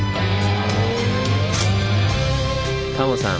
タモさん